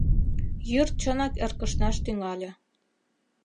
Йӱр чынак эркышнаш тӱҥале.